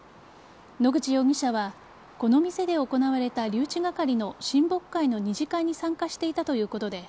野口容疑者はこの店で行われた留置係の親睦会の二次会に参加していたということで